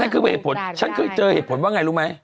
คือเหตุผลฉันเคยเจอเหตุผลว่าไงรู้ไหม